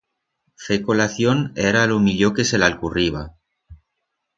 Fer colación era lo millor que se l'alcurriba.